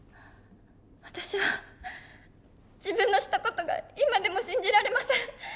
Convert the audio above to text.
私は自分のした事が今でも信じられません。